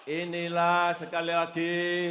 inilah sekali lagi